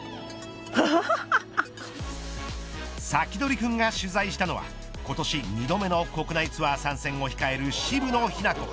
サキドリくんが取材したのは今年２度目の国内ツアー参戦を控える渋野日向子。